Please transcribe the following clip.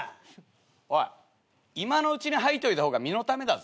おい今のうちに吐いといた方が身のためだぞ。